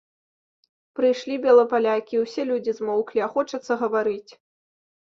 Прыйшлі белапалякі, і ўсе людзі змоўклі, а хочацца гаварыць.